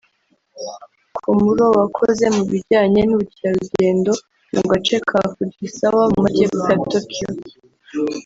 Komuro wakoze mu bijyanye n’ubukerarugendo mu gace ka Fujisawa mu Majyepfo ya Tokyo